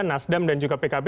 nasdam dan juga pkb